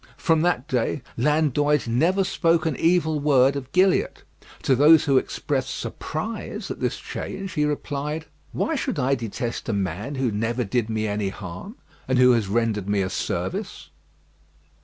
From that day Landoys never spoke an evil word of Gilliatt. To those who expressed surprise at this change, he replied, "Why should I detest a man who never did me any harm, and who has rendered me a service?"